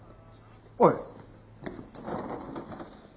おい！